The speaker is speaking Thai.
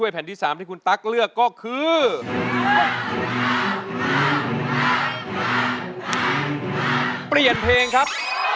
เปลี่ยนเพลงครับ